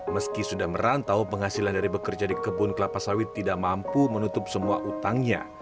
meski sudah merantau penghasilan dari bekerja di kebun kelapa sawit tidak mampu menutup semua utangnya